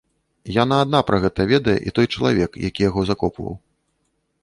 Яна адна пра гэта ведае і той чалавек, які яго закопваў.